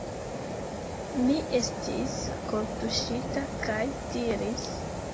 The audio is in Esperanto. Mi estis kortuŝita kaj diris: